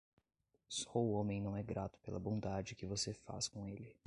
Só o homem não é grato pela bondade que você faz com ele.